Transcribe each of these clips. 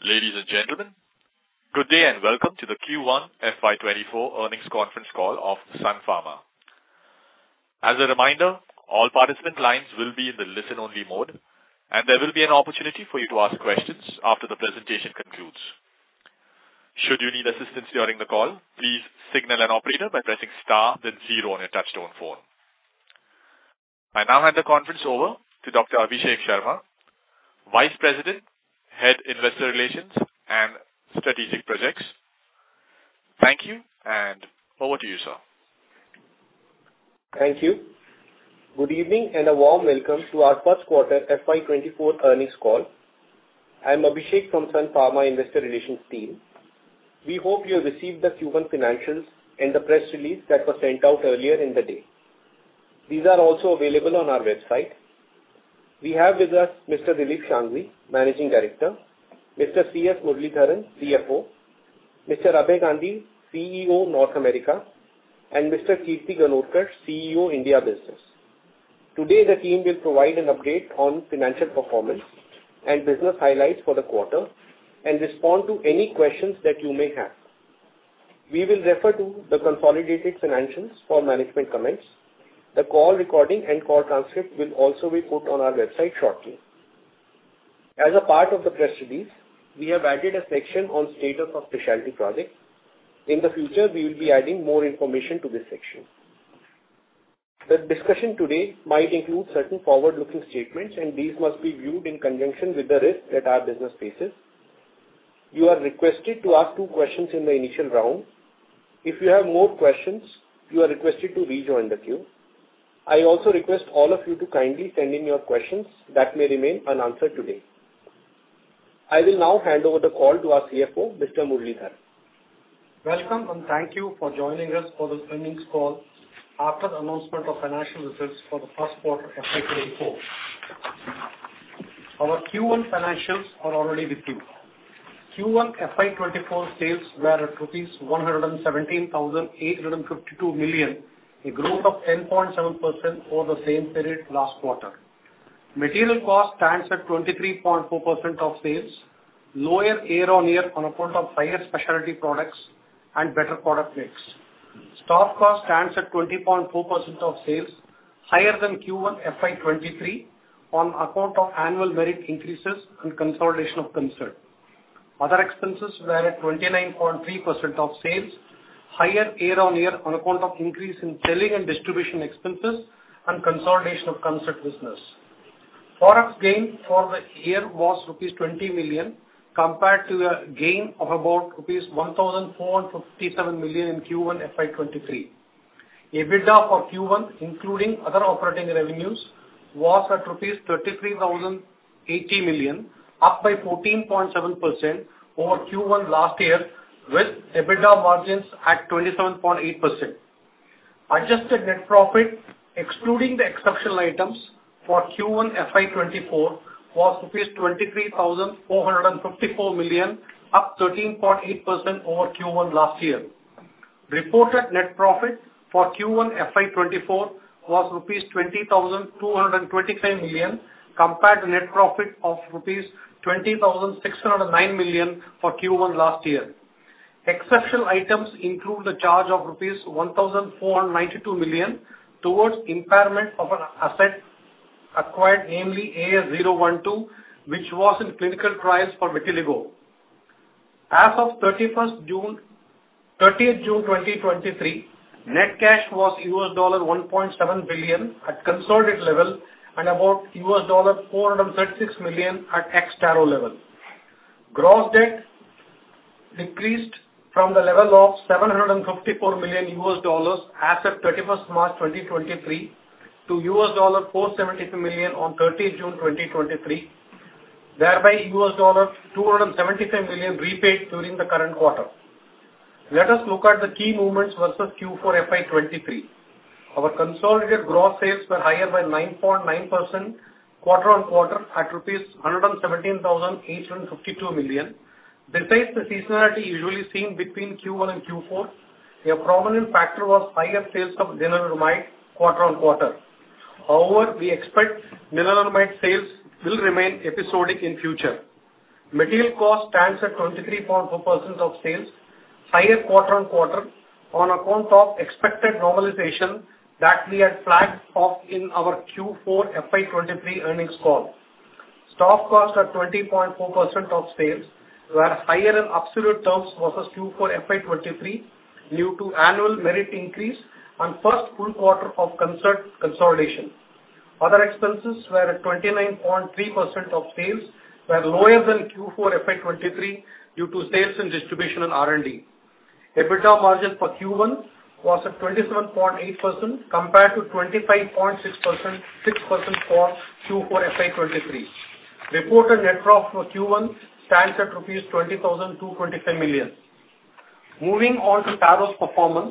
Ladies and gentlemen, good day, and welcome to the Q1 FY 2024 earnings conference call of Sun Pharma. As a reminder, all participant lines will be in the listen-only mode, and there will be an opportunity for you to ask questions after the presentation concludes. Should you need assistance during the call, please signal an operator by pressing star, then zero on your touch-tone phone. I now hand the conference over to Dr. Abhishek Sharma, Vice President, Head, Investor Relations and Strategic Projects. Thank you, and over to you, sir. Thank you. Good evening, a warm welcome to our first quarter FY 2024 earnings call. I'm Abhishek from Sun Pharma Investor Relations team. We hope you received the Q1 financials and the press release that was sent out earlier in the day. These are also available on our website. We have with us Mr. Dilip Shanghvi, Managing Director, Mr. C.S. Muralidharan, CFO, Mr. Abhay Gandhi, CEO, North America, and Mr. Kirti Ganorkar, CEO, India Business. Today, the team will provide an update on financial performance and business highlights for the quarter and respond to any questions that you may have. We will refer to the consolidated financials for management comments. The call recording and call transcript will also be put on our website shortly. As a part of the press release, we have added a section on status of specialty projects. In the future, we will be adding more information to this section. The discussion today might include certain forward-looking statements, and these must be viewed in conjunction with the risks that our business faces. You are requested to ask two questions in the initial round. If you have more questions, you are requested to rejoin the queue. I also request all of you to kindly send in your questions that may remain unanswered today. I will now hand over the call to our CFO, Mr. Muralidharan. Welcome, thank you for joining us for this earnings call after the announcement of financial results for the first quarter of FY 2024. Our Q1 financials are already with you. Q1 FY 2024 sales were at rupees 117,852 million, a growth of 10.7% over the same period last quarter. Material cost stands at 23.4% of sales, lower year-on-year on account of higher specialty products and better product mix. Stock cost stands at 20.4% of sales, higher than Q1 FY 2023 on account of annual merit increases and consolidation of Concert. Other expenses were at 29.3% of sales, higher year-on-year on account of increase in selling and distribution expenses and consolidation of Concert business. Forex gain for the year was rupees 20 million, compared to a gain of about rupees 1,457 million in Q1 FY 2023. EBITDA for Q1, including other operating revenues, was at rupees 33,080 million, up by 14.7% over Q1 last year, with EBITDA margins at 27.8%. Adjusted net profit, excluding the exceptional items for Q1 FY 2024, was rupees 23,454 million, up 13.8% over Q1 last year. Reported net profit for Q1 FY 2024 was rupees 20,225 million, compared to net profit of rupees 20,609 million for Q1 last year. Exceptional items include a charge of rupees 1,492 million towards impairment of an asset acquired, namely, AS012, which was in clinical trials for vitiligo. As of June 30th, 2023, net cash was $1.7 billion at consolidated level and about $436 million at ex-Taro level. Gross debt decreased from the level of $754 million as of March 31st, 2023 to $472 million on June 30th, 2023, thereby $275 million repaid during the current quarter. Let us look at the key movements versus Q4 FY 2023. Our consolidated gross sales were higher by 9.9% quarter-on-quarter at rupees 117,852 million. Besides the seasonality usually seen between Q1 and Q4, a prominent factor was higher sales of lenalidomide quarter-on-quarter. However, we expect lenalidomide sales will remain episodic in future. Material cost stands at 23.4% of sales, higher quarter-on-quarter, on account of expected normalization that we had flagged off in our Q4 FY 2023 earnings call. Stock cost at 20.4% of sales were higher in absolute terms versus Q4 FY 2023 due to annual merit increase and first full quarter of Concert consolidation. Other expenses were at 29.3% of sales, were lower than Q4 FY 2023 due to sales and distribution in R&D. EBITDA margin for Q1 was at 27.8%, compared to 25.6%, 6% for Q4 FY 2023. Reported net profit for Q1 stands at rupees 20,225 million. Moving on to Taro's performance.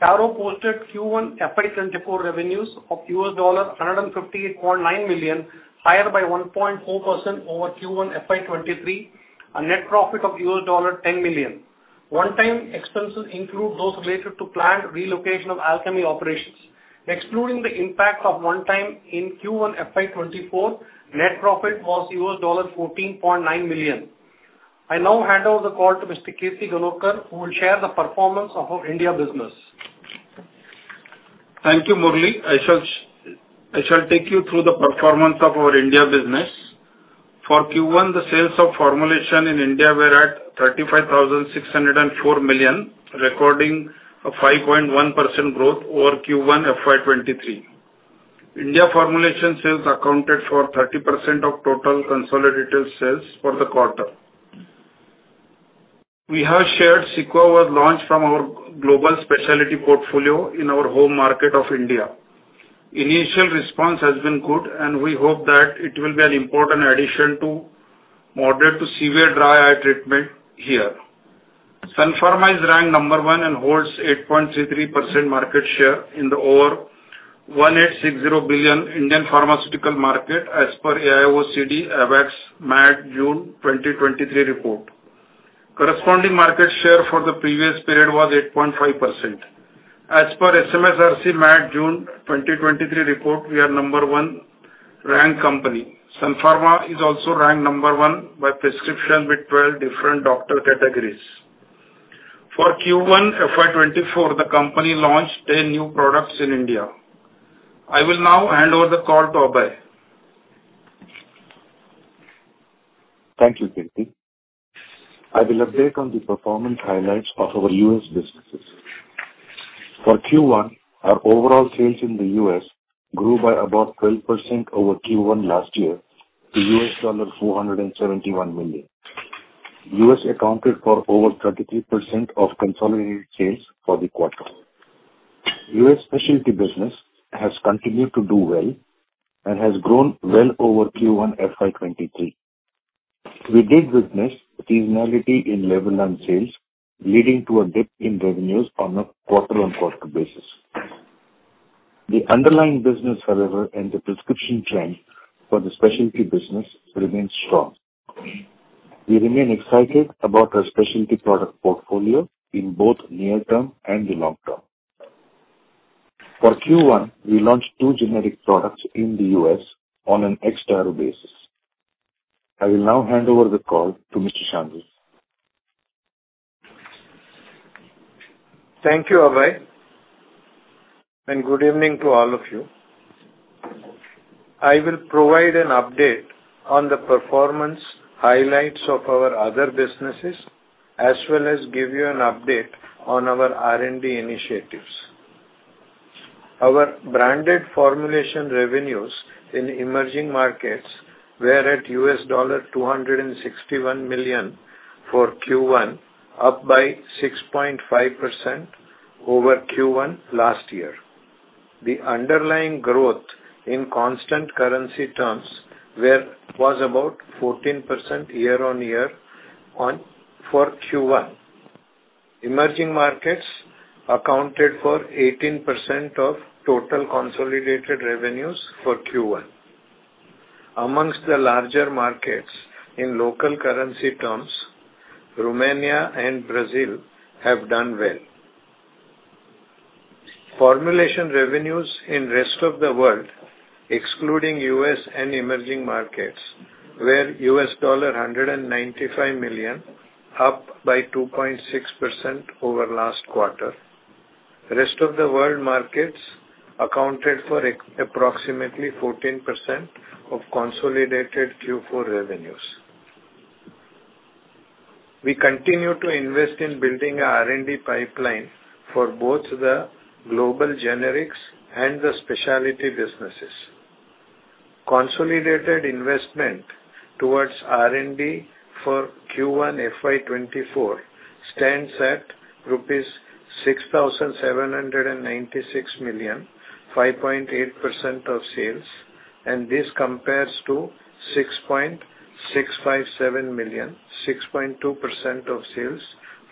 Taro posted Q1 FY 2024 revenues of $158.9 million, higher by 1.4% over Q1 FY 2023, a net profit of $10 million. One-time expenses include those related to planned relocation of Alchemy operations. Excluding the impact of one time in Q1 FY 2024, net profit was $14.9 million. I now hand over the call to Mr. Kirti Ganorkar, who will share the performance of our India business. Thank you, Murali. I shall, I shall take you through the performance of our India Business. For Q1, the sales of formulation in India were at 35,604 million, recording a 5.1% growth over Q1 FY 2023. India formulation sales accounted for 30% of total consolidated sales for the quarter. We have shared CEQUA was launched from our global specialty portfolio in our home market of India. Initial response has been good, and we hope that it will be an important addition to moderate to severe dry eye treatment here. Sun Pharma is ranked number one and holds 8.33% market share in the over 1,860 billion Indian pharmaceutical market as per AIOCD-AWACS MAT June 2023 report. Corresponding market share for the previous period was 8.5%. As per SMSRC MAT June 2023 report, we are number 1 ranked company. Sun Pharma is also ranked number 1 by prescription with 12 different doctor categories. For Q1 FY 2024, the company launched 10 new products in India. I will now hand over the call to Abhay. Thank you, Kirti. I will update on the performance highlights of our U.S. businesses. For Q1, our overall sales in the U.S. grew by about 12% over Q1 last year to $471 million. U.S. accounted for over 33% of consolidated sales for the quarter. U.S. specialty business has continued to do well and has grown well over Q1 FY 2023. We did witness seasonality in Levulan sales, leading to a dip in revenues on a quarter-on-quarter basis. The underlying business, however, and the prescription trend for the specialty business remains strong. We remain excited about our specialty product portfolio in both near term and the long term. For Q1, we launched two generic products in the U.S. on an external basis. I will now hand over the call to Mr. Shanghvi. Thank you, Abhay, good evening to all of you. I will provide an update on the performance highlights of our other businesses, as well as give you an update on our R&D initiatives. Our branded formulation revenues in emerging markets were at $261 million for Q1, up by 6.5% over Q1 last year. The underlying growth in constant currency terms was about 14% year-on-year for Q1. Emerging markets accounted for 18% of total consolidated revenues for Q1. Amongst the larger markets in local currency terms, Romania and Brazil have done well. Formulation revenues in rest of the world, excluding U.S. and emerging markets, were $195 million, up by 2.6% over last quarter. Rest of the world markets accounted for approximately 14% of consolidated Q4 revenues. We continue to invest in building our R&D pipeline for both the global generics and the specialty businesses. Consolidated investment towards R&D for Q1 FY 2024 stands at rupees 6,796 million, 5.8% of sales. This compares to 6,657 million, 6.2% of sales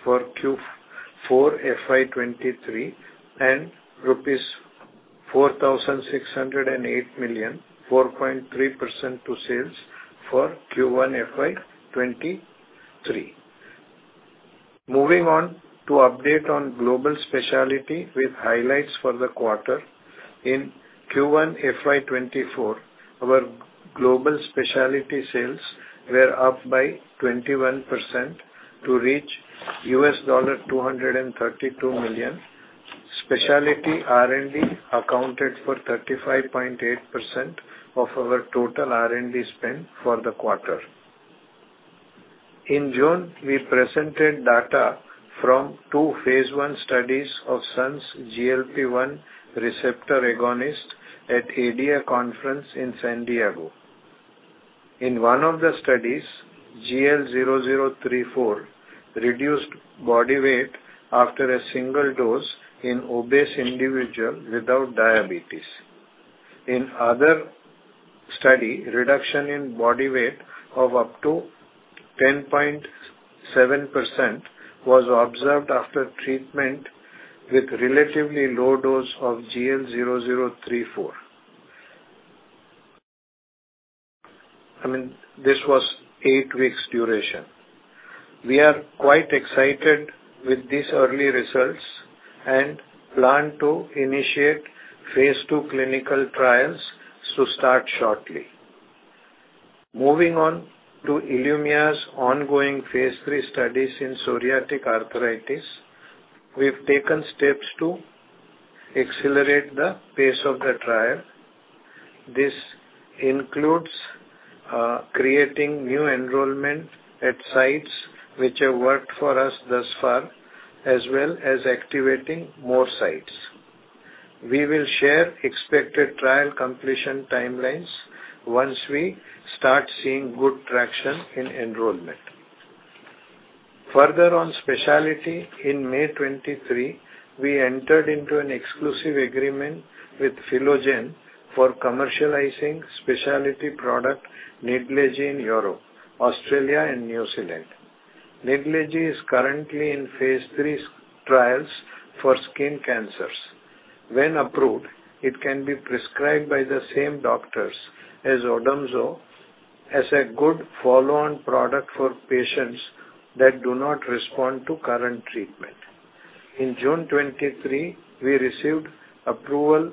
for Q4 FY 2023 and rupees 4,608 million, 4.3% to sales for Q1 FY 2023. Moving on to update on global specialty with highlights for the quarter. In Q1 FY 2024, our global specialty sales were up by 21% to reach $232 million. Specialty R&D accounted for 35.8% of our total R&D spend for the quarter. In June, we presented data from two phase I studies of Sun's GLP-1 receptor agonist at ADA conference in San Diego. In one of the studies, GL0034 reduced body weight after a single dose in obese individual without diabetes. In other study, reduction in body weight of up to 10.7% was observed after treatment with relatively low dose of GL0034. I mean, this was eight weeks duration. We are quite excited with these early results and plan to initiate phase II clinical trials to start shortly. Moving on to ILUMYA's ongoing phase III studies in psoriatic arthritis, we've taken steps to accelerate the pace of the trial. This includes creating new enrollment at sites which have worked for us thus far, as well as activating more sites. We will share expected trial completion timelines once we start seeing good traction in enrollment. Further on specialty, in May 2023, we entered into an exclusive agreement with Philogen for commercializing specialty product Nidlegy in Europe, Australia, and New Zealand. Nidlegy is currently in phase III trials for skin cancers. When approved, it can be prescribed by the same doctors as ODOMZO, as a good follow-on product for patients that do not respond to current treatment. In June 2023, we received approval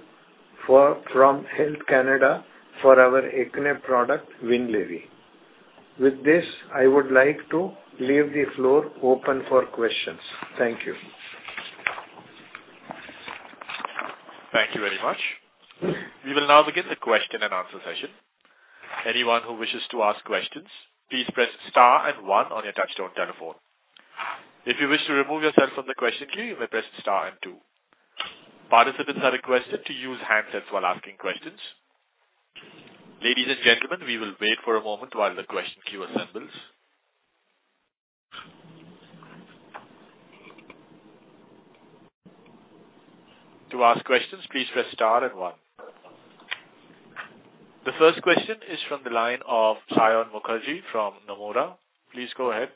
from Health Canada for our acne product, WINLEVI. With this, I would like to leave the floor open for questions. Thank you. Thank you very much. We will now begin the question-and-answer session. Anyone who wishes to ask questions, please press star and one on your touch-tone telephone. If you wish to remove yourself from the question queue, you may press star and two. Participants are requested to use handsets while asking questions. Ladies and gentlemen, we will wait for a moment while the question queue assembles. To ask questions, please press star and one. The first question is from the line of Saion Mukherjee from Nomura. Please go ahead.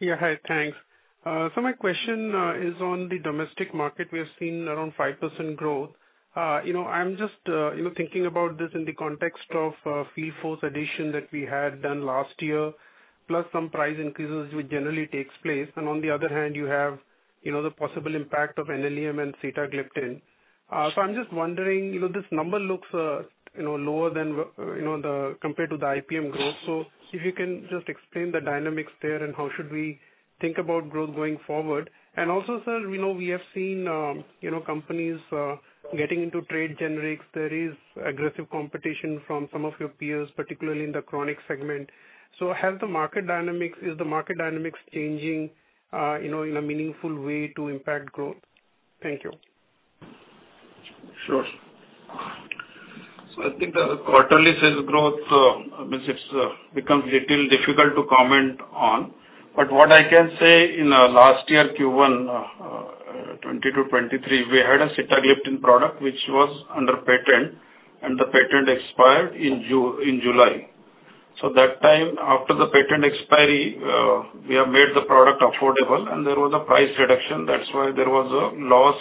Yeah, hi, thanks. My question is on the domestic market. We have seen around 5% growth. You know, I'm just, you know, thinking about this in the context of field force addition that we had done last year, plus some price increases, which generally takes place. On the other hand, you have, you know, the possible impact of NLEM and Sitagliptin. I'm just wondering, you know, this number looks, you know, lower than, you know, compared to the IPM growth. If you can just explain the dynamics there, and how should we think about growth going forward? Also, sir, we know we have seen, you know, companies getting into trade generics. There is aggressive competition from some of your peers, particularly in the chronic segment. Has the market dynamics, is the market dynamics changing, you know, in a meaningful way to impact growth? Thank you. Sure. I think the quarterly sales growth means it's becomes little difficult to comment on, but what I can say, in last year, Q1 2022-2023, we had a sitagliptin product which was under patent, and the patent expired in July. That time, after the patent expiry, we have made the product affordable, and there was a price reduction. That's why there was a loss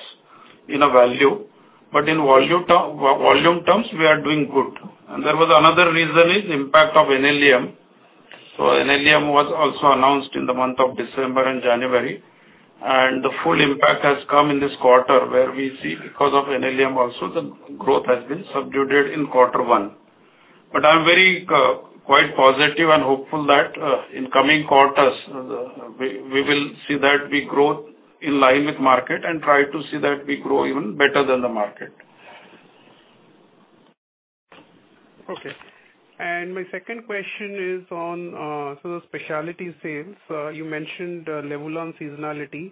in a value. In volume terms, we are doing good. There was another reason, is impact of NLEM. NLEM was also announced in the month of December and January, and the full impact has come in this quarter, where we see because of NLEM also, the growth has been subdued in Q1. I'm very, quite positive and hopeful that, in coming quarters, we, we will see that we grow in line with market and try to see that we grow even better than the market. Okay. My second question is on the specialty sales. You mentioned Levulan seasonality,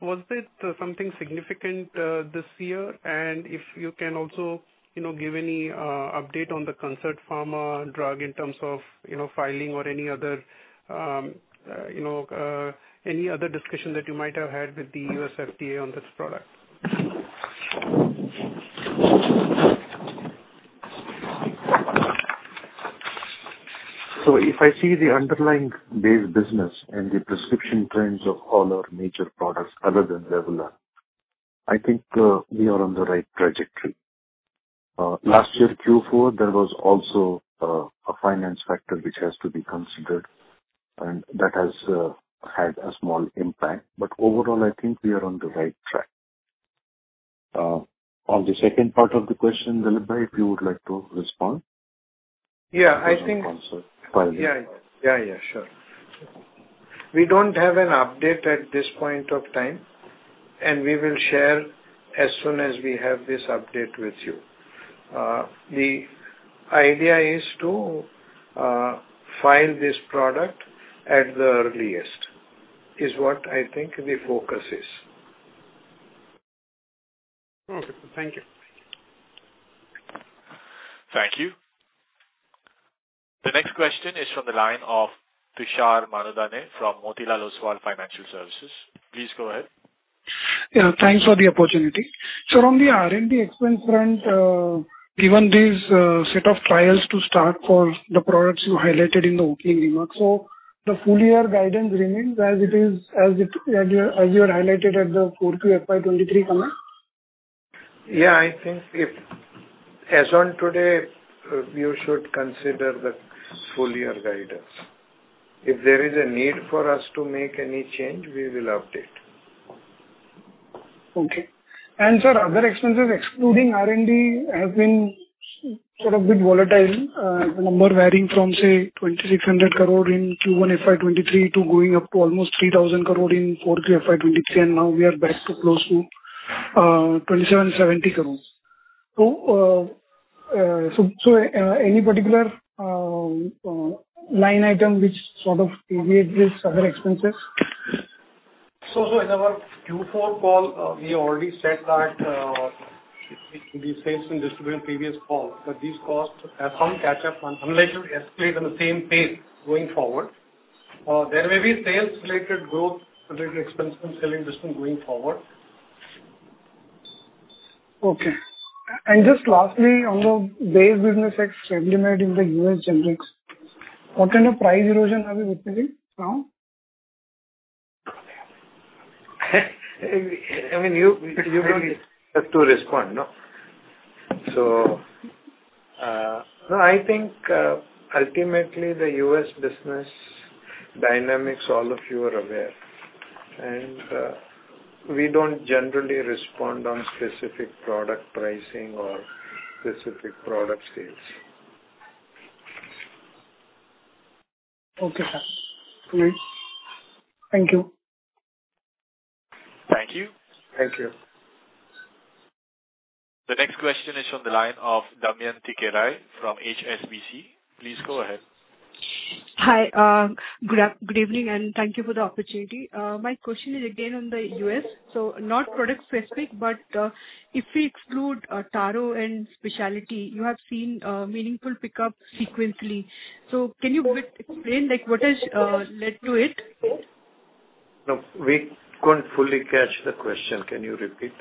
was it something significant this year? If you can also, you know, give any update on the Concert Pharma drug in terms of, you know, filing or any other, you know, any other discussion that you might have had with the U.S. FDA on this product? If I see the underlying base business and the prescription trends of all our major products other than Levulan, I think, we are on the right trajectory. Last year, Q4, there was also, a finance factor which has to be considered, and that has, had a small impact. Overall, I think we are on the right track. On the second part of the question, Dilip, if you would like to respond? Yeah, I think we don't have an update at this point of time. We will share as soon as we have this update with you. The idea is to file this product at the earliest, is what I think the focus is. Okay. Thank you. Thank you. The next question is from the line of Tushar Manudhane from Motilal Oswal Financial Services. Please go ahead. Yeah, thanks for the opportunity. From the R&D expense front, given these set of trials to start for the products you highlighted in the opening remarks, so the full year guidance remains as it is, as you had highlighted at the 4Q FY 2023 comment? I think if, as on today, you should consider the full year guidance. If there is a need for us to make any change, we will update. Okay. Sir, other expenses, excluding R&D, have been sort of bit volatile, the number varying from, say, 2,600 crore in Q1 FY 2023 to going up to almost 3,000 crore in Q4 FY 2023, and now we are back to close to, 2,770 crore. Any particular, line item which sort of deviates these other expenses? In our Q4 call, we already said that, the sales and distribution in previous call, that these costs have some catch-up and unless it escalates on the same pace going forward. There may be sales-related growth, related expense from selling distance going forward. Okay. Just lastly, on the base business extremely made in the U.S. generics, what kind of price erosion are we looking at now? I mean, you, you don't have to respond, no? No, I think, ultimately the U.S. business dynamics, all of you are aware. We don't generally respond on specific product pricing or specific product sales. Okay, sir. Thank you. Thank you. Thank you. The next question is from the line of Damayanti Kerai from HSBC. Please go ahead. Hi, good evening, and thank you for the opportunity. My question is again on the U.S., not product specific, but if we exclude Taro and specialty, you have seen meaningful pickup sequentially. Can you bit explain, like, what has led to it? No, we couldn't fully catch the question. Can you repeat?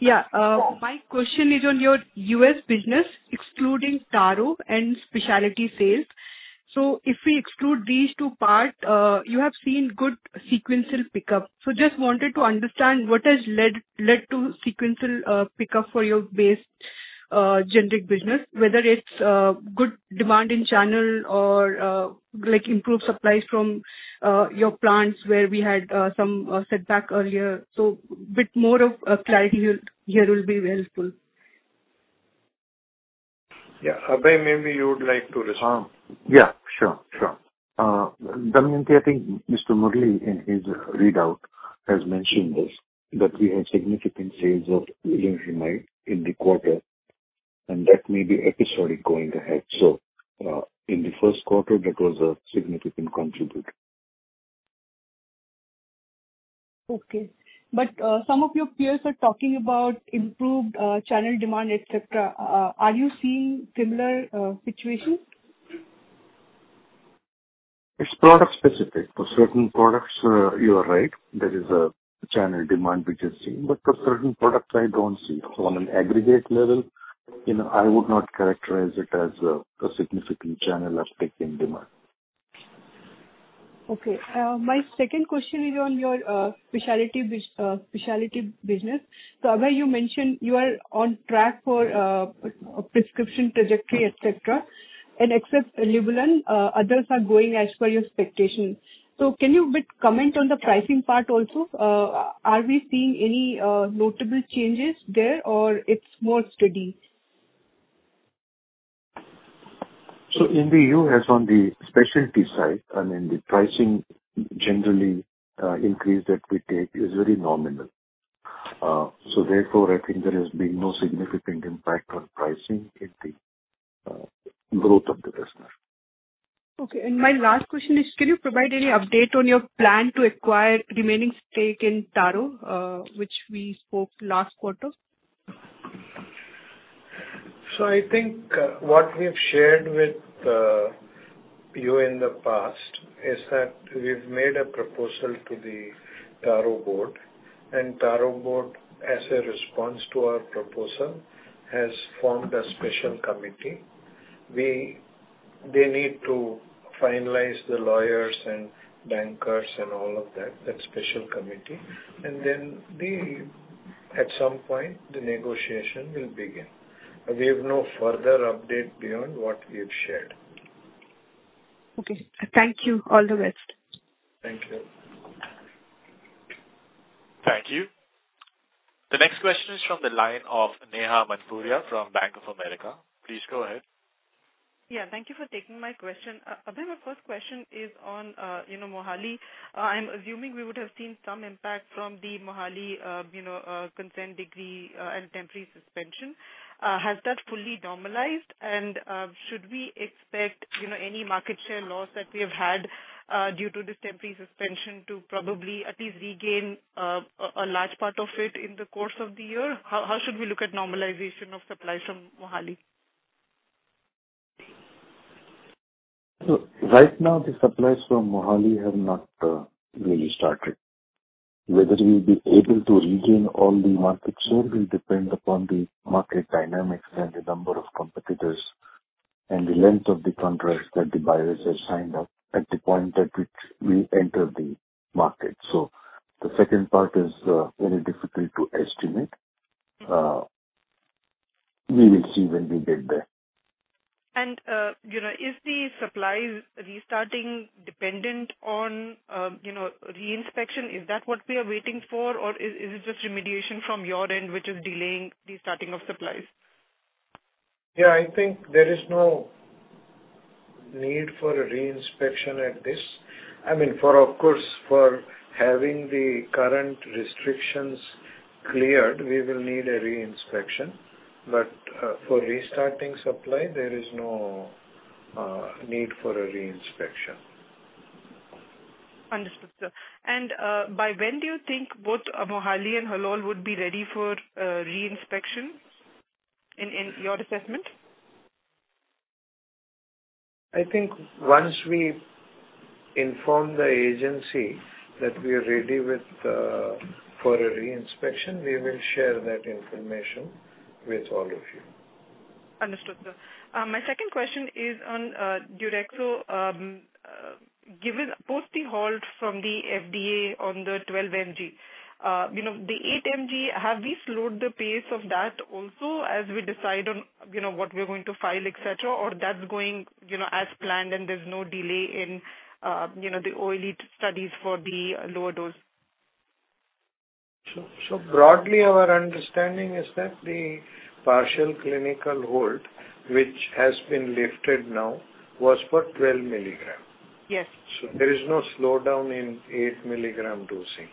Yeah, my question is on your U.S. business, excluding Taro and specialty sales. If we exclude these two part, you have seen good sequential pickup. Just wanted to understand what has led, led to sequential pickup for your base generic business, whether it's good demand in channel or like improved supplies from your plants, where we had some setback earlier. Bit more of clarity here, here will be helpful. Yeah. Abhay, maybe you would like to respond. Yeah, sure, sure. Damayanti, I think Mr. Murali, in his readout, has mentioned this, that we have significant sales of linzymate in the quarter, and that may be episodic going ahead. In the first quarter, that was a significant contributor. Okay. Some of your peers are talking about improved, channel demand, etc. Are you seeing similar, situations? It's product specific. For certain products, you are right, there is a channel demand which is seen, but for certain products I don't see. On an aggregate level, you know, I would not characterize it as a, a significant channel uptick in demand. Okay. My second question is on your specialty business. Abhay, you mentioned you are on track for prescription trajectory, etc, and except Levulan, others are going as per your expectations. Can you bit comment on the pricing part also? Are we seeing any notable changes there or it's more steady? In the U.S., on the specialty side, I mean, the pricing generally, increase that we take is very nominal. Therefore, I think there has been no significant impact on pricing in the, growth of the business. Okay. My last question is: can you provide any update on your plan to acquire remaining stake in Taro, which we spoke last quarter? I think, what we've shared with, you in the past is that we've made a proposal to the Taro board, and Taro board, as a response to our proposal, has formed a special committee. They need to finalize the lawyers and bankers and all of that, that special committee. At some point, the negotiation will begin. We have no further update beyond what we've shared. Okay. Thank you. All the best. Thank you. Thank you. The next question is from the line of Neha Manpuria from Bank of America. Please go ahead. Yeah, thank you for taking my question. Abhay, my first question is on, you know, Mohali. I'm assuming we would have seen some impact from the Mohali, you know, consent decree, and temporary suspension. Has that fully normalized? Should we expect, you know, any market share loss that we have had, due to this temporary suspension to probably at least regain, a large part of it in the course of the year? How, how should we look at normalization of supplies from Mohali? Right now, the supplies from Mohali have not really started. Whether we'll be able to regain all the market share will depend upon the market dynamics and the number of competitors. And the length of the contracts that the buyers have signed up at the point at which we enter the market. The second part is very difficult to estimate. We will see when we get there. You know, is the supplies restarting dependent on, you know, re-inspection? Is that what we are waiting for, or is, is it just remediation from your end, which is delaying the starting of supplies? Yeah, I think there is no need for a re-inspection at this. I mean, for of course, for having the current restrictions cleared, we will need a re-inspection, but for restarting supply, there is no need for a re-inspection. Understood, sir. By when do you think both Mohali and Halol would be ready for re-inspection in, in your assessment? I think once we inform the agency that we are ready with for a re-inspection, we will share that information with all of you. Understood, sir. My second question is on deuruxo. Given post the halt from the U.S. FDA on the 12 mg, you know, the 8 mg, have we slowed the pace of that also as we decide on, you know, what we're going to file, etc? Or that's going, you know, as planned and there's no delay in, you know, the OLE studies for the lower dose? So broadly, our understanding is that the partial clinical hold, which has been lifted now, was for 12 mg. Yes. There is no slowdown in 8 mg dosing.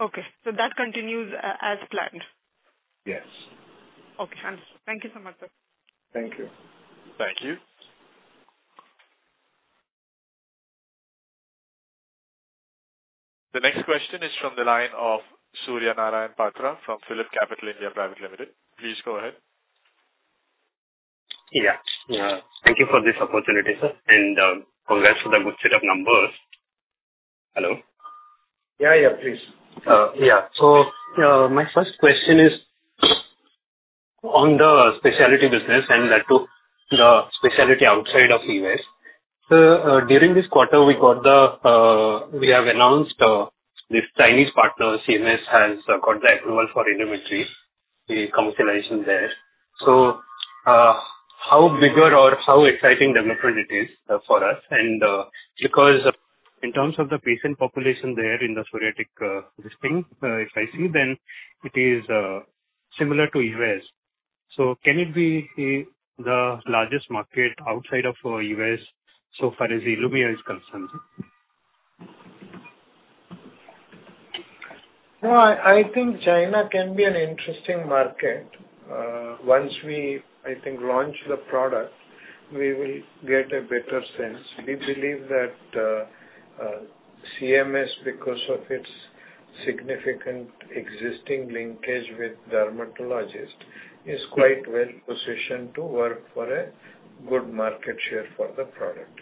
Okay. That continues as planned? Yes. Okay, Thank you so much, sir. Thank you. Thank you. The next question is from the line of Suryanarayan Patra from PhillipCapital (India) Private Limited. Please go ahead. Yeah. Yeah. Thank you for this opportunity, sir, and, congrats for the good set of numbers. Hello? Yeah, yeah, please. Yeah. My first question is on the specialty business and that to the specialty outside of U.S. During this quarter, we got the, we have announced, the Chinese partner, CMS, has got the approval for Ilumetri, the commercialization there. How bigger or how exciting development it is for us, and, because in terms of the patient population there in the psoriatic, this thing, if I see then it is similar to U.S. Can it be the, the largest market outside of U.S. so far as ILUMYA is concerned, sir? No, I think China can be an interesting market. Once we, I think, launch the product, we will get a better sense. We believe that CMS, because of its significant existing linkage with dermatologists, is quite well positioned to work for a good market share for the product.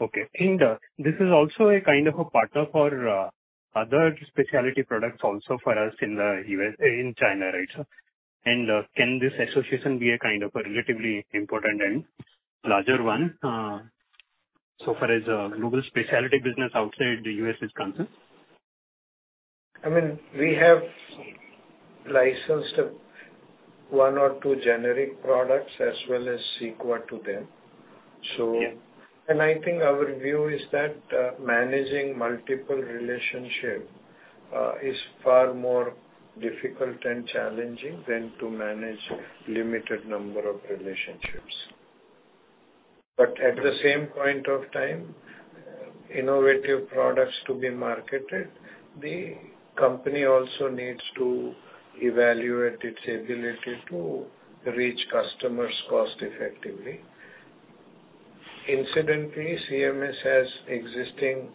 Okay. And, this is also a kind of a partner for other specialty products also for us in the U.S.. In China, right, sir? Can this association be a kind of a relatively important and larger one, so far as global specialty business outside the U.S. is concerned? I mean, we have licensed one or two generic products as well as sequel to them. Yeah. I think our view is that managing multiple relationship is far more difficult and challenging than to manage limited number of relationships. At the same point of time, innovative products to be marketed, the company also needs to evaluate its ability to reach customers cost effectively. Incidentally, CMS has existing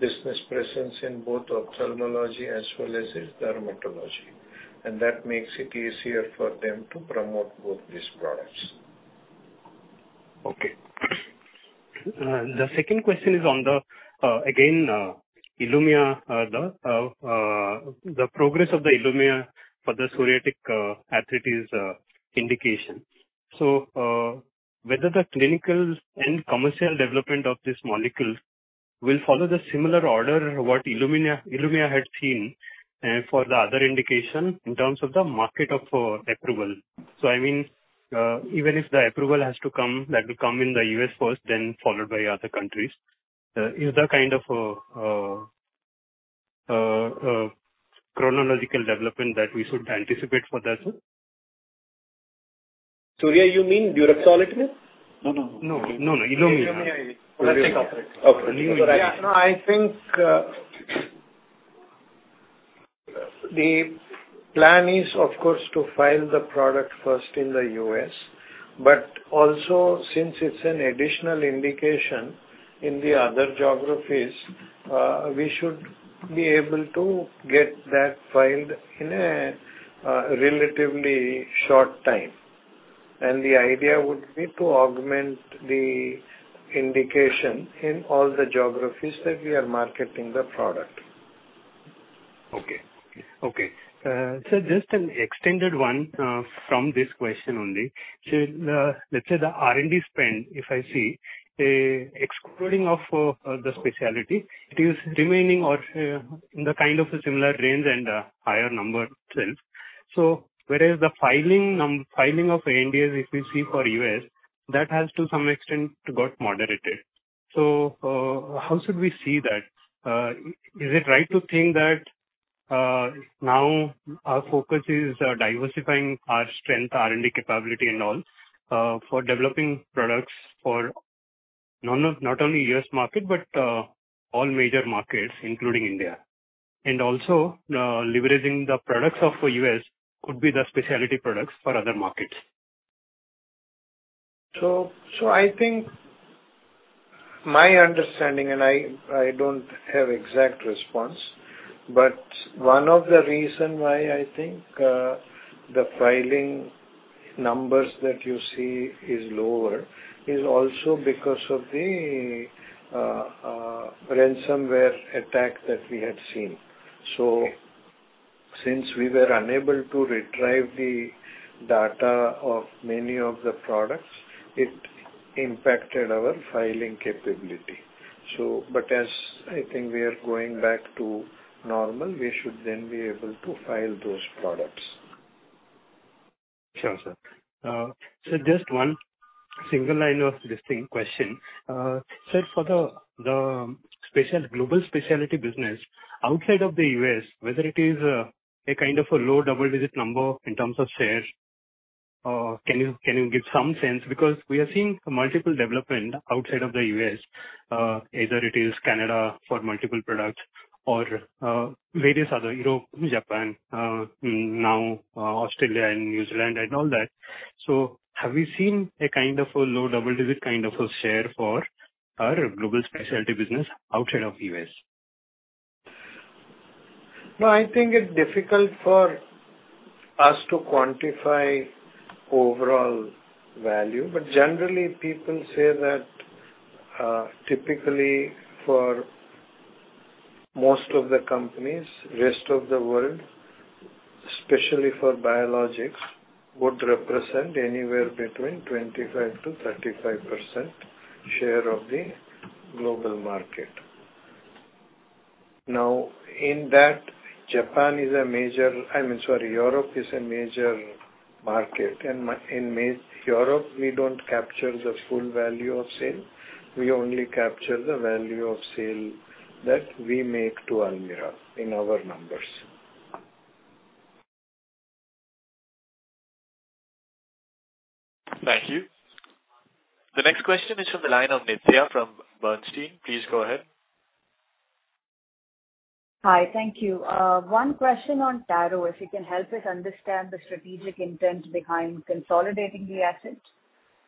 business presence in both ophthalmology as well as its dermatology, and that makes it easier for them to promote both these products. Okay. The second question is on the again, ILUMYA, the progress of the ILUMYA for the psoriatic arthritis indication. Whether the clinical and commercial development of this molecule will follow the similar order, what ILUMYA, ILUMYA had seen for the other indication in terms of the market of approval. I mean, even if the approval has to come, that will come in the U.S. first, then followed by other countries. Is the kind of chronological development that we should anticipate for that, sir? Surya, you mean deuruxo, you mean? No, no, no. No. No, no, ILUMYA. ILUMYA. Okay. Yeah. No, I think, the plan is, of course, to file the product first in the U.S. Also since it's an additional indication in the other geographies, we should be able to get that filed in a relatively short time. The idea would be to augment the indication in all the geographies that we are marketing the product. Okay. Just an extended one, from this question only. Let's say the R&D spend, if I see, excluding of, the specialty, it is remaining or, in the kind of a similar range and, higher number itself. Whereas the filing of ANDAs, if you see for U.S., that has to some extent got moderated. How should we see that? Is it right to think that, now our focus is diversifying our strength, R&D capability, and all, for developing products for not only U.S. market, but, all major markets, including India, and also, leveraging the products of U.S. could be the specialty products for other markets? I think my understanding, and I, I don't have exact response, but one of the reason why I think the filing numbers that you see is lower is also because of the ransomware attack that we had seen. Since we were unable to retrieve the data of many of the products, it impacted our filing capability. As I think we are going back to normal, we should then be able to file those products. Sure, sir. Just one single line of distinct question. For the global specialty business, outside of the U.S., whether it is, a kind of a low double-digit number in terms of shares, or can you give some sense? Because we are seeing multiple development outside of the U.S., either it is Canada for multiple products or, various other, you know, Japan, now, Australia and New Zealand and all that. Have you seen a kind of a low double-digit, kind of a share for our global specialty business outside of U.S.? No, I think it's difficult for us to quantify overall value. Generally, people say that, typically for most of the companies, rest of the world, especially for biosimilars, would represent anywhere between 25%-35% share of the global market. In that, Japan is a major, I mean, sorry, Europe is a major market, and Europe, we don't capture the full value of sale. We only capture the value of sale that we make to Almirall in our numbers. Thank you. The next question is from the line of Nithya from Bernstein. Please go ahead. Hi. Thank you. One question on Taro, if you can help us understand the strategic intent behind consolidating the assets,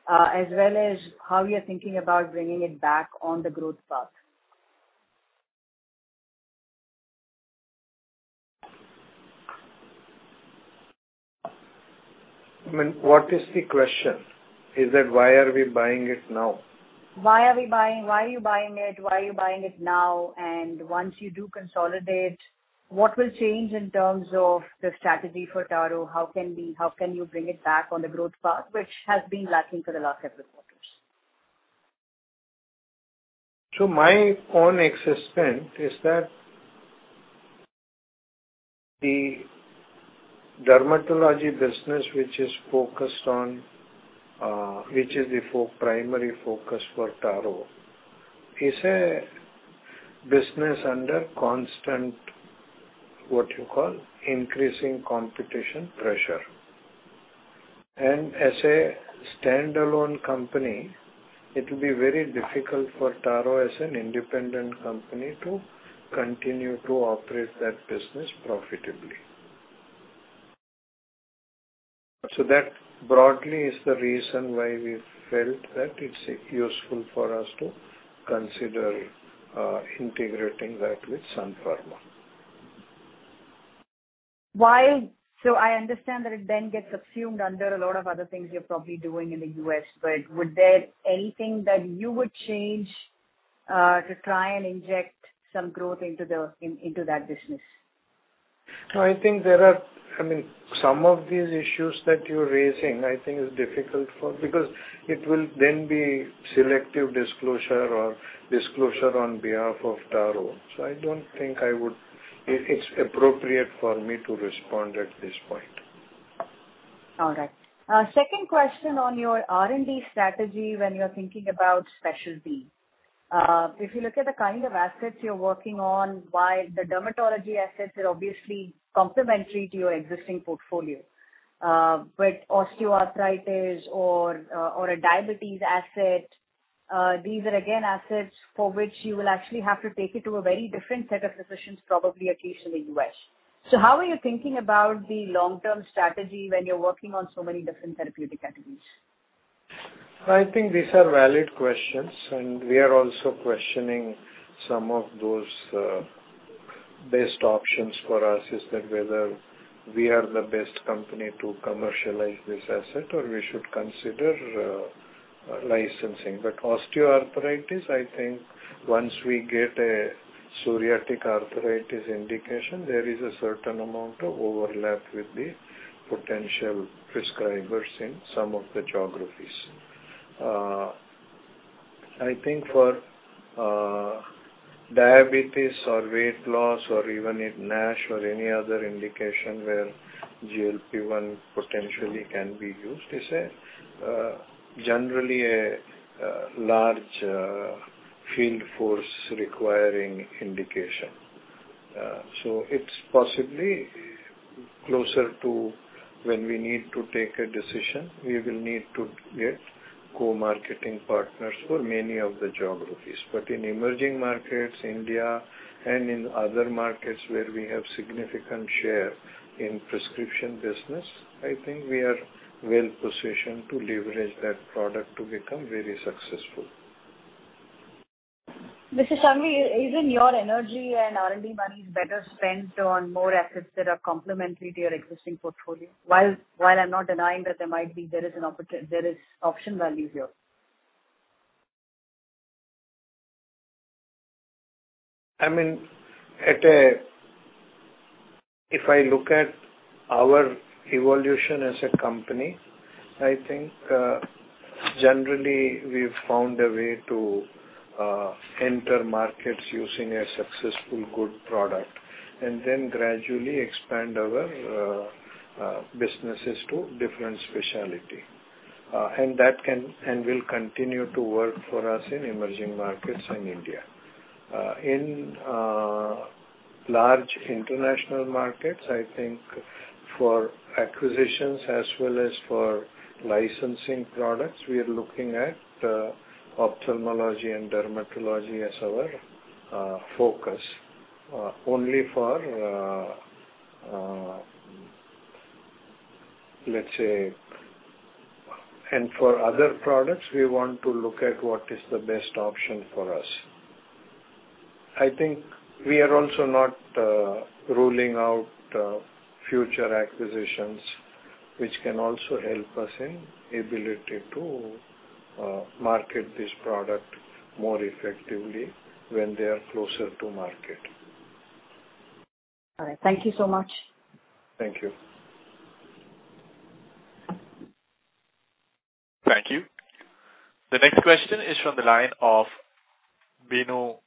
as well as how you're thinking about bringing it back on the growth path. I mean, what is the question? Is it why are we buying it now? Why are we buying? Why are you buying it? Why are you buying it now? Once you do consolidate, what will change in terms of the strategy for Taro? How can you bring it back on the growth path, which has been lacking for the last several quarters? My own assessment is that the dermatology business, which is focused on, which is the primary focus for Taro, is a business under constant, what you call, increasing competition pressure. As a standalone company, it will be very difficult for Taro as an independent company to continue to operate that business profitably. That broadly is the reason why we felt that it's useful for us to consider, integrating that with Sun Pharma. Why? I understand that it then gets subsumed under a lot of other things you're probably doing in the U.S.. Would there anything that you would change, to try and inject some growth into the into that business? I think there are I mean, some of these issues that you're raising, I think is difficult for, because it will then be selective disclosure or disclosure on behalf of Taro. I don't think it's appropriate for me to respond at this point. All right. Second question on your R&D strategy when you're thinking about specialty. If you look at the kind of assets you're working on, while the dermatology assets are obviously complementary to your existing portfolio, but osteoarthritis or a diabetes asset, these are again, assets for which you will actually have to take it to a very different set of physicians, probably, especially in the U.S. How are you thinking about the long-term strategy when you're working on so many different therapeutic categories? I think these are valid questions, and we are also questioning some of those, best options for us, is that whether we are the best company to commercialize this asset, or we should consider licensing. Osteoarthritis, I think once we get a psoriatic arthritis indication, there is a certain amount of overlap with the potential prescribers in some of the geographies. I think for diabetes or weight loss or even in NASH or any other indication where GLP-1 potentially can be used, it's a generally a large field force requiring indication. It's possibly closer to when we need to take a decision. We will need to get co-marketing partners for many of the geographies. In emerging markets, India and in other markets where we have significant share in prescription business, I think we are well positioned to leverage that product to become very successful. Mr. Dilip Shanghvi, isn't your energy and R&D monies better spent on more assets that are complementary to your existing portfolio? I'm not denying that there might be, there is option value here. I mean, at a. If I look at our evolution as a company, I think, generally we've found a way to enter markets using a successful, good product, and then gradually expand our businesses to different specialty. That can and will continue to work for us in emerging markets in India. In large international markets, I think for acquisitions as well as for licensing products, we are looking at ophthalmology and dermatology as our focus. Only for, let's say... For other products, we want to look at what is the best option for us. I think we are also not ruling out future acquisitions, which can also help us in ability to market this product more effectively when they are closer to market. All right. Thank you so much. Thank you. Thank you. The next question is from the line of Bino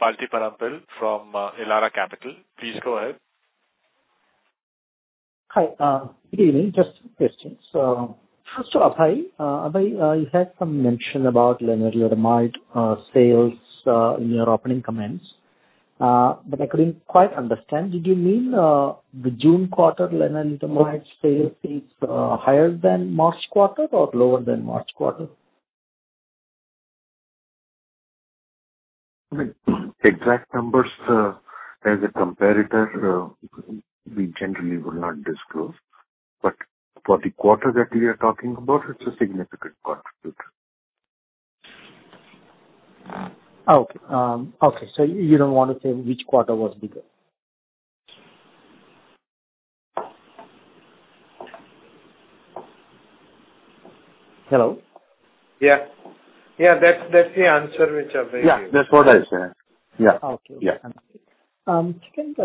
Pathiparampil from Elara Capital. Please go ahead. Hi, good evening. Just some questions. First off, Abhay, you had some mention about lenalidomide sales in your opening comments, but I couldn't quite understand. Did you mean the June quarter lenalidomide sales is higher than March quarter or lower than March quarter? I mean, exact numbers, as a comparator, we generally will not disclose, but for the quarter that we are talking about, it's a significant contributor. Okay. Okay, you don't want to say which quarter was bigger? Hello? Yeah, that's, that's the answer which I've given. Yeah, that's what I said. Yeah. Okay. Yeah. Second,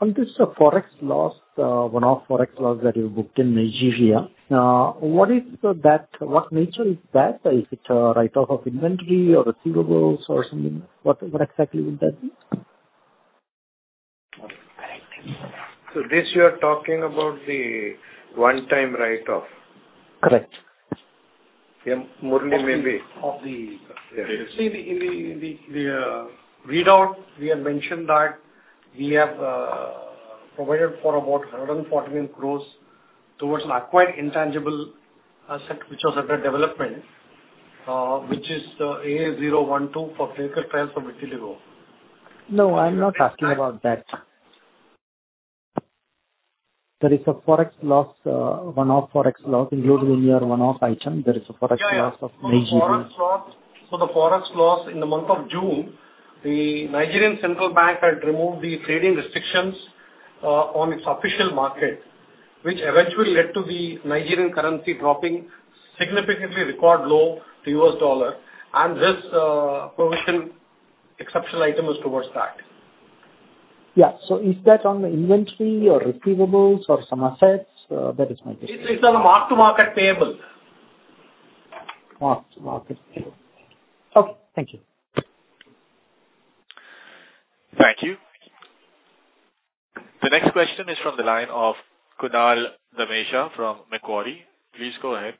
on this Forex loss, one-off Forex loss that you booked in Nigeria, what is that? What nature is that? Is it a write-off of inventory or receivables or something? What, what exactly would that be? This, you are talking about the one-time write-off? Correct. Yeah, Murali, maybe- Seee, in the readout, we have mentioned that we have provided for about 114 crore towards an acquired intangible asset, which was under development, which is AS012 for clinical trials for vitiligo. No, I'm not asking about that. There is a Forex loss, one-off Forex loss included in your one-off item. There is a Forex loss of Nigeria. Yeah, the Forex loss, the Forex loss in the month of June, the Central Bank of Nigeria had removed the trading restrictions on its official market, which eventually led to the Nigerian currency dropping significantly record low to U.S. dollar. This provision, exceptional item is towards that. Yeah. Is that on the inventory or receivables or some assets? That is my question. It's on a mark-to-market payable. Mark-to-market payable. Okay, thank you. Thank you. The next question is from the line of Kunal Dhamesha from Macquarie. Please go ahead.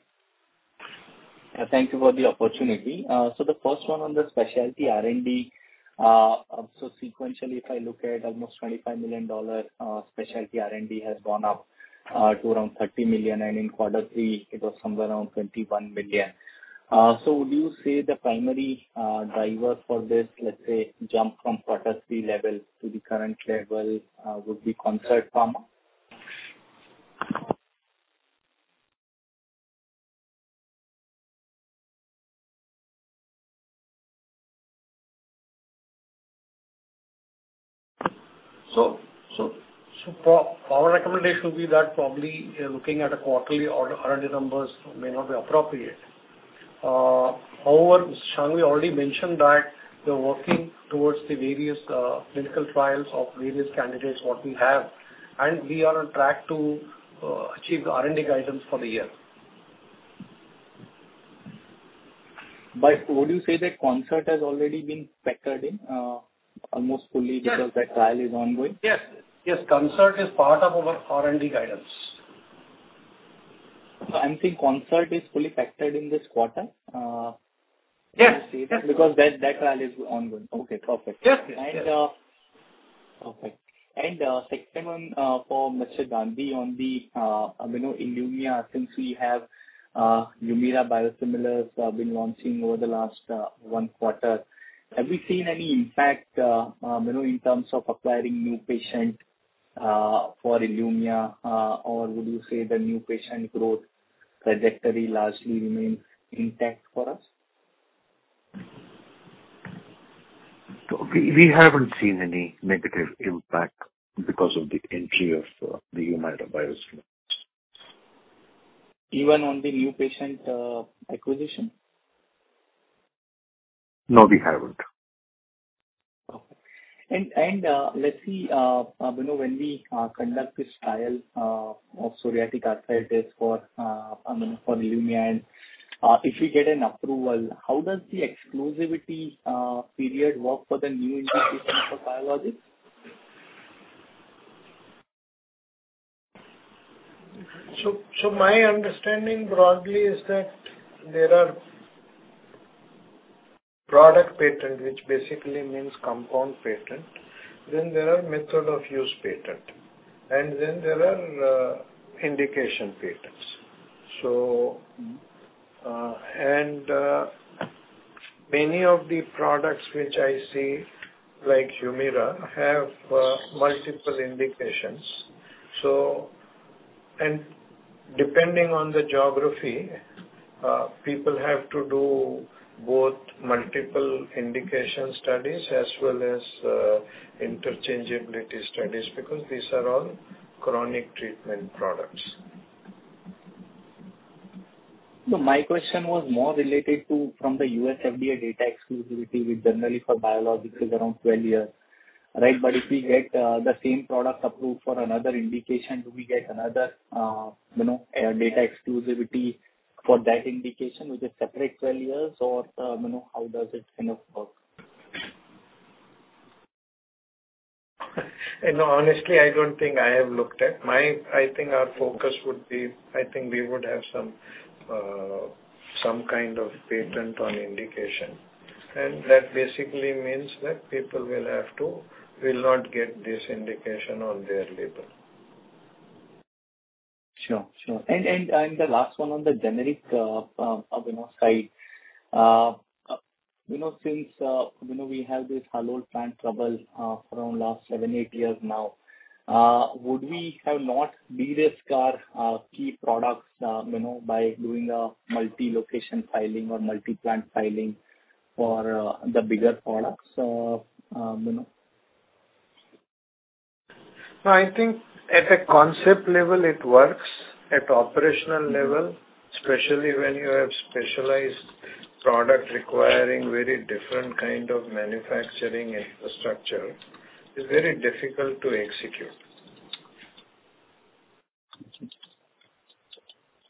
Thank you for the opportunity. The first one on the specialty R&D, sequentially, if I look at almost $25 million, specialty R&D has gone up, to around $30 million, and in quarter three, it was somewhere around $21 million. Would you say the primary, driver for this, let's say, jump from quarter three level to the current level, would be Concert Pharma? Our recommendation would be that probably, looking at a quarterly or R&D numbers may not be appropriate. However, Shanghvi already mentioned that we're working towards the various clinical trials of various candidates, what we have, and we are on track to achieve the R&D guidance for the year. Would you say that Concert has already been factored in, almost fully because that trial is ongoing? Yes, Concert is part of our R&D guidance. I'm saying Concert is fully factored in this quarter. Yes. That trial is ongoing. Okay, perfect. Yes, yes. Perfect. Second one for Mr. Gandhi on the, you know, ILUMYA, since we have ILUMYA biosimilars been launching over the last one quarter, have we seen any impact, you know, in terms of acquiring new patient for ILUMYA? Would you say the new patient growth trajectory largely remains intact for us? We haven't seen any negative impact because of the entry of the HUMIRA biosimilars. Even on the new patient acquisition? No, we haven't. Okay. And, let's see, you know, when we conduct this trial, of psoriatic arthritis for, I mean, for ILUMYA, and, if we get an approval, how does the exclusivity period work for the new indication for biologics? So my understanding broadly is that there are product patent, which basically means compound patent, then there are method of use patent, and then there are indication patents. Many of the products which I see, like HUMIRA, have multiple indications. Depending on the geography, people have to do both multiple indication studies as well as interchangeability studies, because these are all chronic treatment products. My question was more related to, from the U.S. FDA data exclusivity, with generally for biologics is around 12 years. Right, but if we get the same product approved for another indication, do we get another, you know, data exclusivity for that indication, with a separate 12 years? Or, you know, how does it kind of work? You know, honestly, I don't think I have looked at. I think our focus would be, I think we would have some, some kind of patent on indication. That basically means that people will have to, will not get this indication on their label. Sure. The last one on the generic, you know, side. You know, since, you know, we have this Halol plant trouble, from last 7-8 years now, would we have not de-risk our key products, you know, by doing a multi-location filing or multi-plant filing for the bigger products, you know? I think at a concept level, it works. At operational level, especially when you have specialized product requiring very different kind of manufacturing infrastructure, it's very difficult to execute.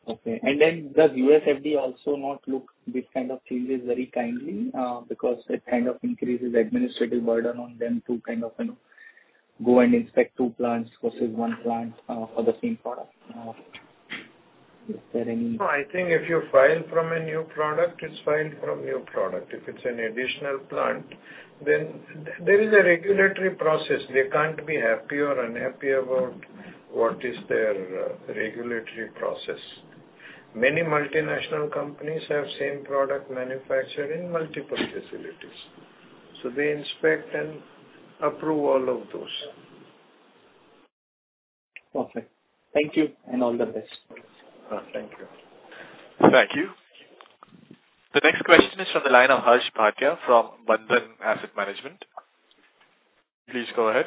Okay. Does U.S. FDA also not look this kind of things very kindly, because it kind of increases administrative burden on them to kind of, you know, go and inspect two plants versus one plant for the same product? I think if you file from a new product, it's filed from new product. If it's an additional plant, then there is a regulatory process. They can't be happy or unhappy about what is their regulatory process. Many multinational companies have same product manufactured in multiple facilities, so they inspect and approve all of those. Perfect. Thank you, and all the best. Thank you. Thank you. The next question is from the line of Harsh Bhatia from Bandhan Asset Management. Please go ahead.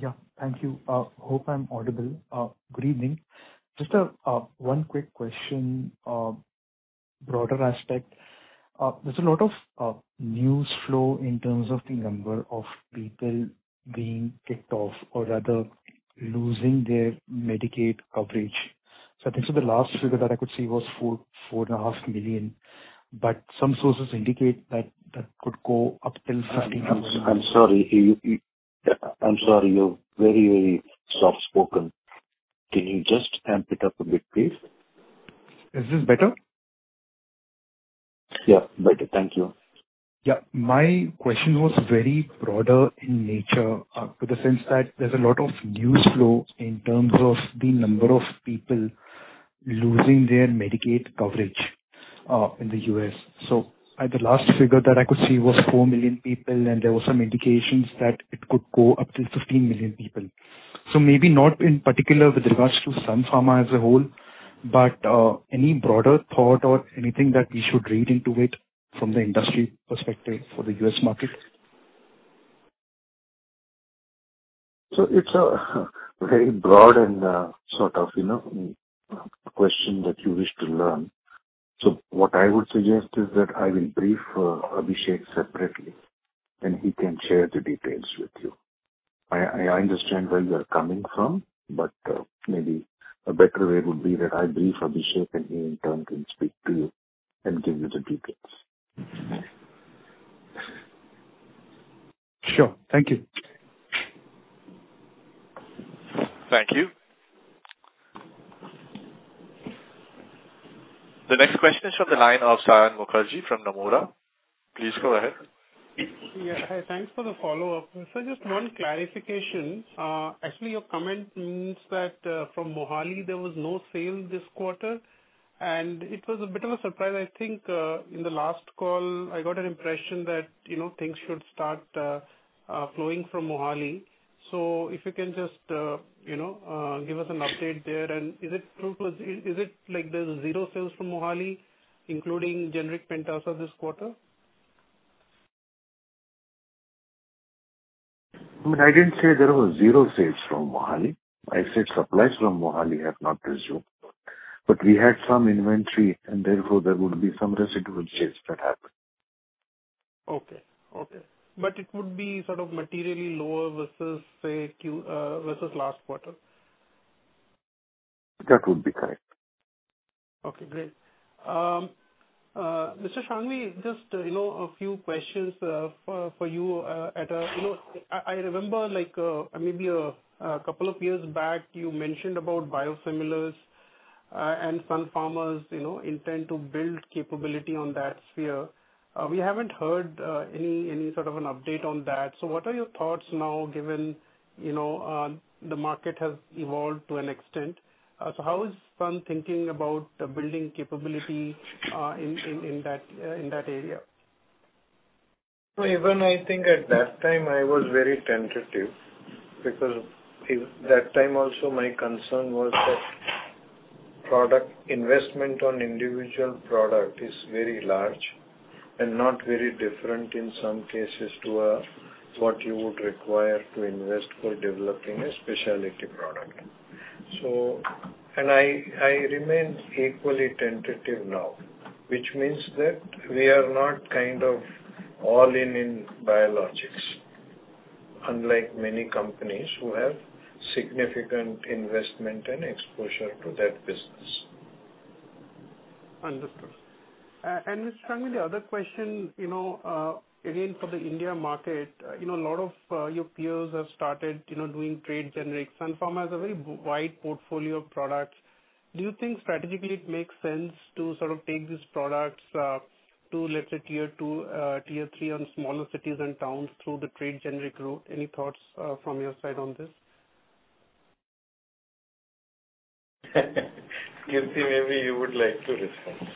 Yeah, thank you. Hope I'm audible. Good evening. Just one quick question, broader aspect. There's a lot of news flow in terms of the number of people being kicked off or rather losing their Medicaid coverage. I think the last figure that I could see was 4.5 million, but some sources indicate that that could go up to 15-20 million. I'm sorry, you're very, very soft-spoken. Can you just amp it up a bit, please? Is this better? Yeah, better. Thank you. Yeah. My question was very broader in nature, to the sense that there's a lot of news flow in terms of the number of people losing their Medicaid coverage in the U.S. At the last figure that I could see was 4 million people, and there were some indications that it could go up to 15 million people. So, maybe not in particular with regards to Sun Pharma as a whole, but any broader thought or anything that we should read into it from the industry perspective for the U.S. market? It's a very broad and, sort of, you know, question that you wish to learn. What I would suggest is that I will brief Abhishek separately, and he can share the details with you. I understand where you are coming from, but, maybe a better way would be that I brief Abhishek, and he in turn can speak to you and give you the details. Sure. Thank you. Thank you. The next question is from the line of Saion Mukherjee from Nomura. Please go ahead. Yeah, hi. Thanks for the follow-up. Just one clarification. Actually, your comment means that from Mohali, there was no sale this quarter, and it was a bit of a surprise. I think, in the last call, I got an impression that, you know, things should start flowing from Mohali. If you can just, you know, give us an update there. Is it true? Is it like there's zero sales from Mohali, including generic Pentasa this quarter? I mean, I didn't say there was zero sales from Mohali. I said supplies from Mohali have not resumed. We had some inventory, and therefore, there would be some residual sales that happened. Okay. Okay. But it would be sort of materially lower versus, say, Q versus last quarter? That would be correct. Okay, great. Mr. Shanghvi, just, you know, a few questions, for you. I remember, like, maybe two years back, you mentioned about biosimilars, and Sun Pharma's, you know, intent to build capability on that sphere. We haven't heard, any, any sort of an update on that. What are your thoughts now, given, you know, the market has evolved to an extent? How is Sun thinking about building capability in that area? Even I think at that time I was very tentative because that time also my concern was that product investment on individual product is very large and not very different in some cases to what you would require to invest for developing a specialty product. I remain equally tentative now, which means that we are not kind of all in, in biologics, unlike many companies who have significant investment and exposure to that business. Understood. Mr. Shanghvi, the other question, again, for the India market. A lot of your peers have started, you know, doing trade generics. Sun Pharma has a very wide portfolio of products. Do you think strategically it makes sense to sort of take these products to, let's say, tier two, tier three, on smaller cities and towns through the trade generic route? Any thoughts from your side on this? Kirti, maybe you would like to respond.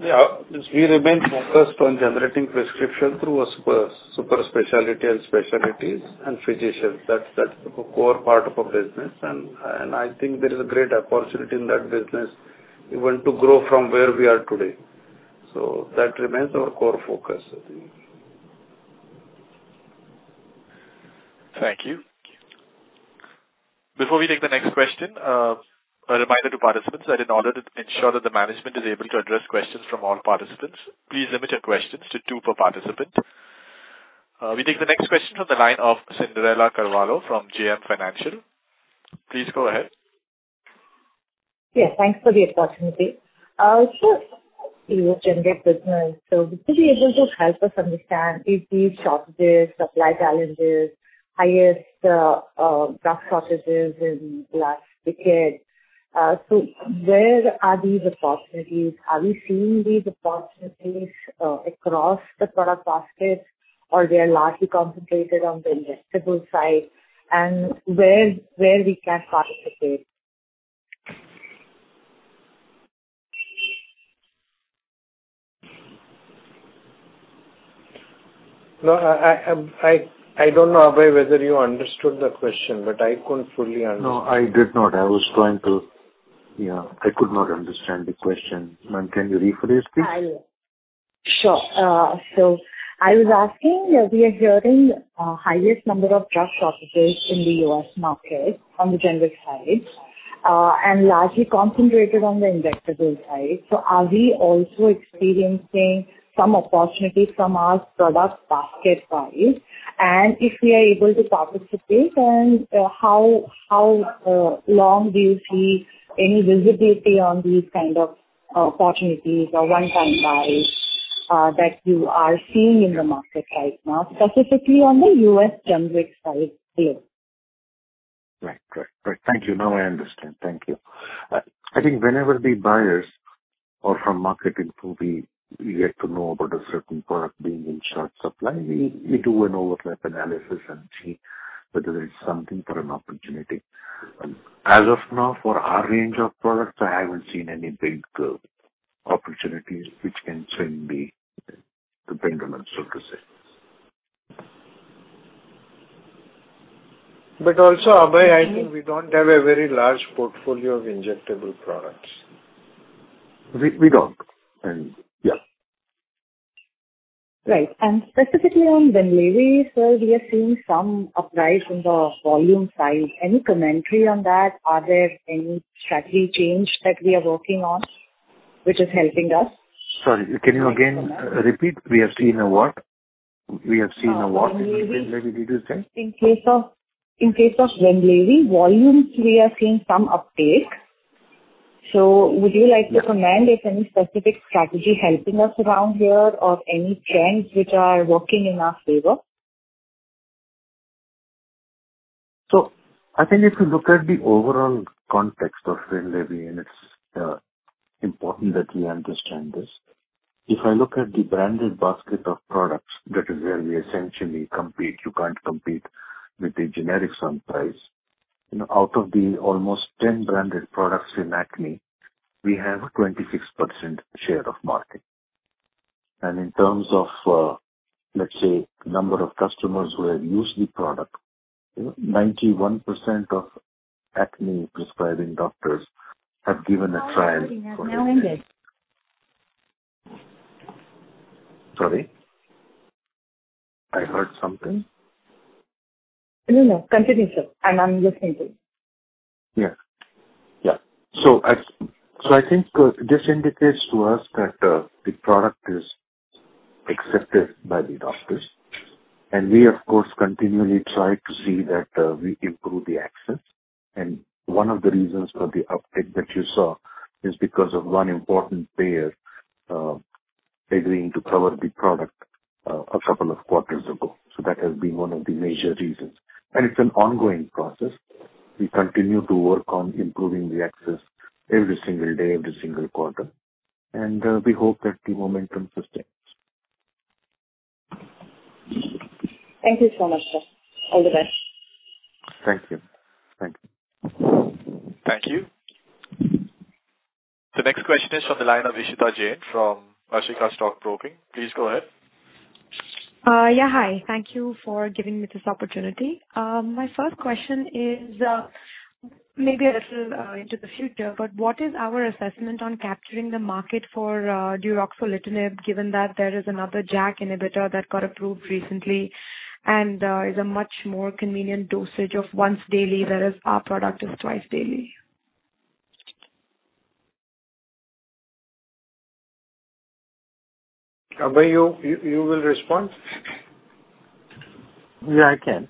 Yeah. We remain focused on generating prescription through a super, super specialty and specialties and physicians. That's, that's the core part of our business, and, and I think there is a great opportunity in that business even to grow from where we are today. That remains our core focus, I think. Thank you. Before we take the next question, a reminder to participants that in order to ensure that the management is able to address questions from all participants, please limit your questions to two per participant. We take the next question from the line of Cyndrella Carvalho from JM Financial. Please go ahead. Yes, thanks for the opportunity. You generate business, so would you be able to help us understand if these shortages, supply challenges, highest drug shortages in the last decade, so where are these opportunities? Are we seeing these opportunities across the product basket, or they are largely concentrated on the injectable side, and where, where we can participate? No, I don't know. Abhay, whether you understood the question, but I couldn't fully understand. No, I did not. I was trying to, yeah, I could not understand the question. Ma'am, can you rephrase, please? Sure. I was asking, we are hearing highest number of drug shortages in the U.S. market from the generic side, and largely concentrated on the injectable side. Are we also experiencing some opportunities from our product basket side? If we are able to participate, then, how long do you see any visibility on these kind of opportunities or one-time buys that you are seeing in the market right now, specifically on the U.S. generic side, please? Right. Correct. Thank you, now I understand. I think whenever the buyers or from marketing point of view, we get to know about a certain product being in short supply, we, we do an overlap analysis and see whether there is something for an opportunity. As of now, for our range of products, I haven't seen any big opportunities which can turn dependent on, so to say. Also, Abhay, I think we don't have a very large portfolio of injectable products. We don't, yeah. Right. Specifically on WINLEVI, sir, we are seeing some uptight from the volume side. Any commentary on that? Are there any strategy change that we are working on, which is helping us? Sorry, can you again repeat? We have seen a what? We have seen a what? In case of WINLEVI, volumes, we are seeing some uptake. Would you like to comment if any specific strategy helping us around here or any trends which are working in our favor? I think if you look at the overall context of WINLEVI, and it's important that we understand this. If I look at the branded basket of products, that is where we essentially compete. You can't compete with the generic Sun price. Out of the almost 10 branded products in acne, we have a 26% share of market. In terms of, let's say, number of customers who have used the product, 91% of acne prescribing doctors have given a trial. Sorry? I heard something. No, no. Continue, sir. I'm listening to you. Yeah. I think, this indicates to us that the product is accepted by the doctors. We, of course, continually try to see that we improve the access. One of the reasons for the uptake that you saw is because of one important payer, agreeing to cover the product, a couple of quarters ago. That has been one of the major reasons, and it's an ongoing process. We continue to work on improving the access every single day, every single quarter, and we hope that the momentum sustains. Thank you so much, sir. All the best. Thank you. Thank you. Thank you. The next question is from the line of Ishita Jain from Ashika Stock Broking. Please go ahead. Yeah, hi. Thank you for giving me this opportunity. My first question is, maybe a little into the future, but what is our assessment on capturing the market for deuruxolitinib, given that there is another JAK inhibitor that got approved recently and is a much more convenient dosage of once daily, whereas our product is twice daily? Abhay, you will respond? Yeah, I can.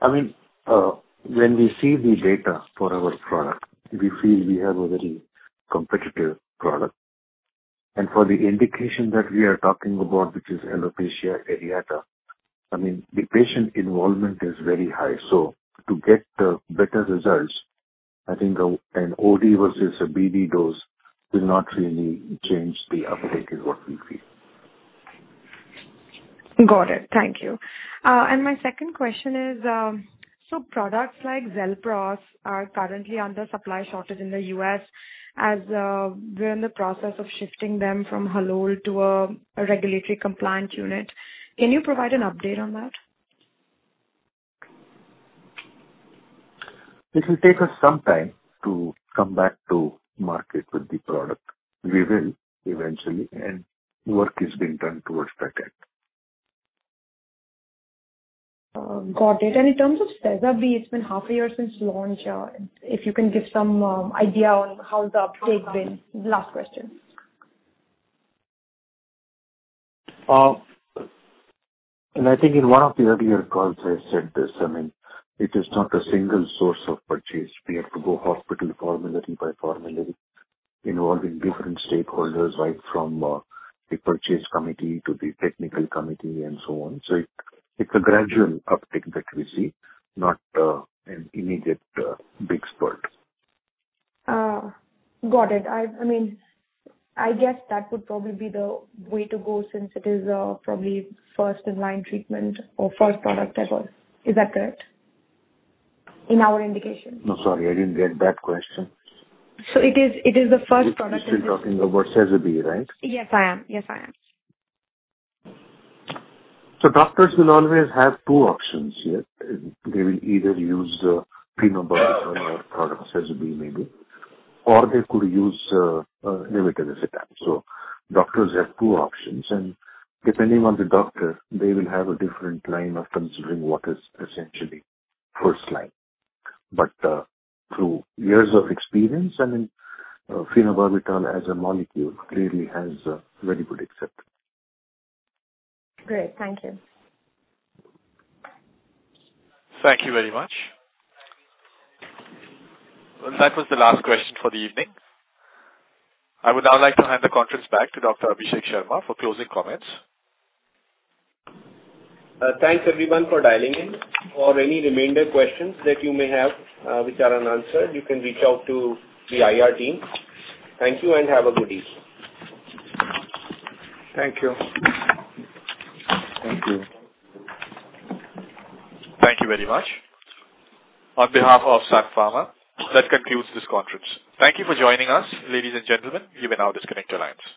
I mean, when we see the data for our product, we feel we have a very competitive product. For the indication that we are talking about, which is alopecia areata, I mean, the patient involvement is very high. To get the better results, I think an OD versus a BD dose will not really change the uptake, is what we feel. Got it, thank you. My second question is, so products like XELPROS are currently under supply shortage in the U.S. as we're in the process of shifting them from Halol to a regulatory compliant unit. Can you provide an update on that? It will take us some time to come back to market with the product. We will eventually, and work is being done towards that end. Got it. In terms of SEZABY, it's been half a year since launch. If you can give some idea on how the uptake been? Last question. I think in one of the earlier calls, I said this, I mean, it is not a single source of purchase. We have to go hospital formulary by formulary, involving different stakeholders, right from the purchase committee to the technical committee and so on. It's a gradual uptake that we see, not an immediate, big spurt. Got it. I mean, I guess that would probably be the way to go since it is, probably first in line treatment or first product at all. Is that correct? In our indication. No, sorry, I didn't get that question. It is, it is the first product- You're still talking about SEZABY, right? Yes, I am. Doctors will always have two options here. They will either use the phenobarbital or product SEZABY maybe, or they could use levetiracetam. Doctors have two options, and depending on the doctor, they will have a different line of considering what is essentially first line. Through years of experience, I mean, phenobarbital as a molecule really has a very good acceptance. Great. Thank you. Thank you very much. Well, that was the last question for the evening. I would now like to hand the conference back to Dr. Abhishek Sharma for closing comments. Thanks, everyone, for dialing in. For any remainder questions that you may have, which are unanswered, you can reach out to the IR team. Thank you and have a good evening. Thank you. Thank you. Thank you very much. On behalf of Sun Pharma, that concludes this conference. Thank you for joining us, ladies and gentlemen. You may now disconnect your lines.